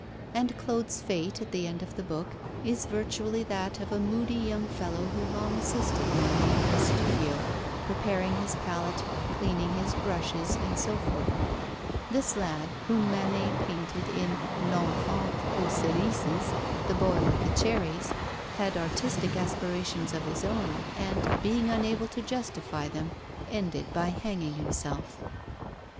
And Claude's fate, at the end of the book, is virtually that of a moody young fellow who long assisted Manet in his studio, preparing his palette, cleaning his brushes, and so forth. This lad, whom Manet painted in L'Enfant aux Cerises ['The Boy with the Cherries'), had artistic aspirations of his own and, being unable to justify them, ended by hanging himself.